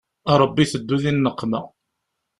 Ṛebbi iteddu di nneqma.